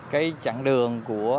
cái chặng đường của